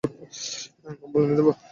কম্বল এনে দেবো?